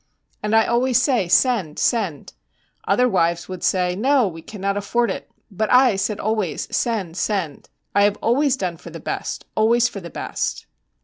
And I always say, "Send, send." Other wives would say, "No, we cannot afford it;" but I said always, "Send, send." I have always done for the best, always for the best.'